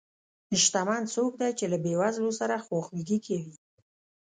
شتمن څوک دی چې له بې وزلو سره خواخوږي کوي.